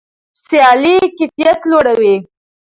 سیالي کیفیت لوړوي.